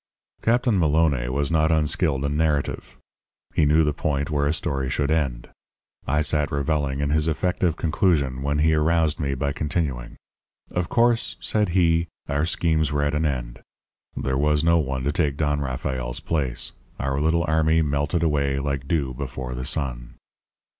Captain Maloné was not unskilled in narrative. He knew the point where a story should end. I sat reveling in his effective conclusion when he aroused me by continuing: "Of course," said he, "our schemes were at an end. There was no one to take Don Rafael's place. Our little army melted away like dew before the sun.